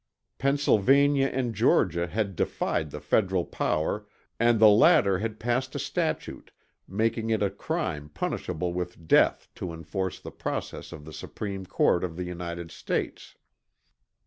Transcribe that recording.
Pennsylvania and Georgia had defied the federal power and the latter had passed a statute making it a crime punishable with death to enforce the process of the Supreme Court of the United States.